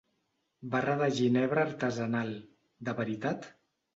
Barra de ginebra artesanal, de veritat?